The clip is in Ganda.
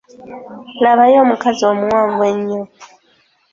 Labayo omukazi omuwanvu ennyo.